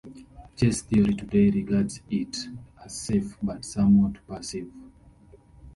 Chess theory today regards it as safe but somewhat passive.